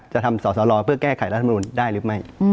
จะทำสอสรเพื่อแก้ไขรัฐมนุนได้หรือไม่